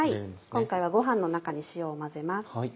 今回はご飯の中に塩を混ぜます。